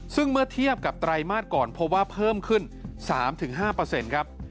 ซึ่งเมื่อเทียบกับไตรมาสก่อนพบว่าเพิ่มขึ้น๓๕ครับ